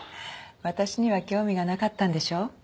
私には興味がなかったんでしょ？